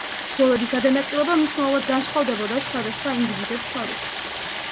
ზოლების განაწილება მნიშვნელოვნად განსხვავდებოდა სხვადასხვა ინდივიდებს შორის.